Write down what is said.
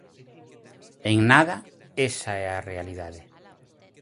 En nada, esa é a realidade.